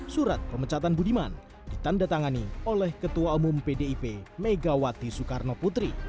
surat pemecatan budiman ditanda tangani oleh ketua umum pdip megawati soekarno putri